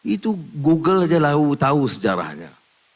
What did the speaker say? itu google saja tahu sejarahnya